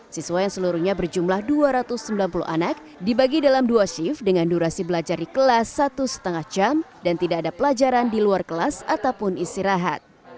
siswa yang seluruhnya berjumlah dua ratus sembilan puluh anak dibagi dalam dua shift dengan durasi belajar di kelas satu lima jam dan tidak ada pelajaran di luar kelas ataupun istirahat